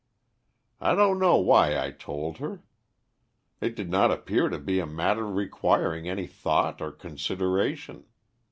I don't know why I told her; it did not appear to be a matter requiring any thought or consideration.